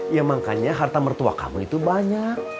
ya makanya harta mertua kamu itu banyak